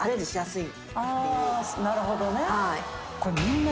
あなるほどね。